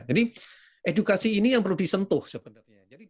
jadi edukasi ini yang perlu disentuh sebenarnya